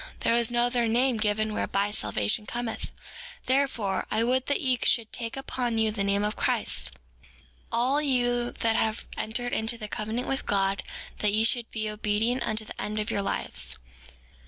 There is no other name given whereby salvation cometh; therefore, I would that ye should take upon you the name of Christ, all you that have entered into the covenant with God that ye should be obedient unto the end of your lives.